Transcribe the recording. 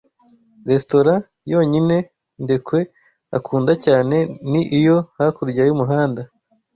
Restaurant yonyine Ndekwe akunda cyane ni iyo hakurya y'umuhanda.